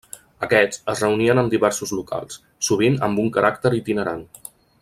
Aquests, es reunien en diversos locals, sovint amb un caràcter itinerant.